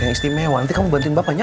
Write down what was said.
yang istimewa nanti kamu buatin bapaknya